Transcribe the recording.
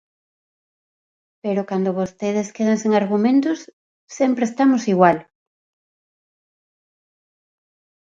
Pero cando vostedes quedan sen argumentos, sempre estamos igual.